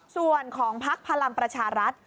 ส่วนของพักพลังประชารัฐ